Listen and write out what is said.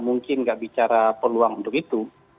mungkin nggak bicara peluang untuk itu